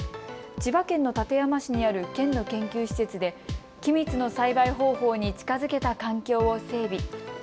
千葉県の館山市にある県の研究施設で君津の栽培方法に近づけた環境を整備。